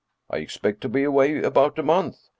I expect to be away about a month.